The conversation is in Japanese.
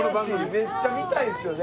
めっちゃ見たいですよね。